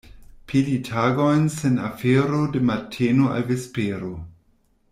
Peli tagojn sen afero de mateno al vespero.